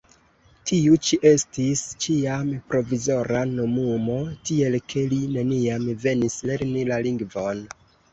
Tiu ĉi estis ĉiam "provizora" nomumo, tiel ke li neniam venis lerni la lingvon.